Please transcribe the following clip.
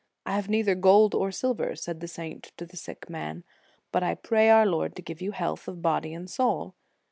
" I have neither gold nor silver," said the saint to the sick man, " but I pray our Lord to give you health of body and soul."